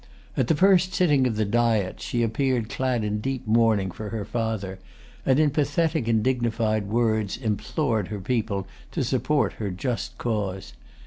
At the first sitting of the Diet she appeared clad in deep mourning for her father, and in pathetic and dignified words implored her people to support her just cause.